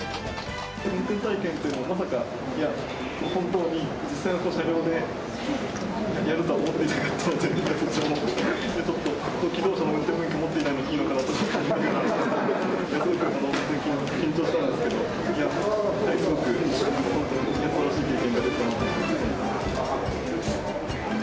運転体験というのが、まさか、本当に実際の車両でやるとは思っていなかったので、ちょっと気動車の運転免許を持っていないので、いいのかなと思って、すごく緊張したんですけど、すごくすばらしい経験できたなと思っています。